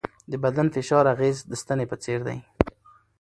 د بدن فشار اغېز د ستنې په څېر دی.